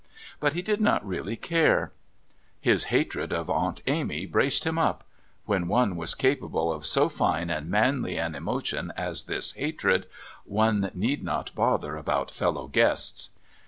But he did not really care. His hatred of Aunt Amy braced him up; when one was capable of so fine and manly an emotion as this hatred, one need not bother about fellow guests.